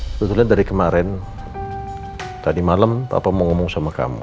sebetulnya dari kemarin tadi malam bapak mau ngomong sama kamu